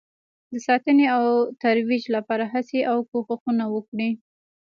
د ساتنې او ترویج لپاره هڅې او کوښښونه وکړئ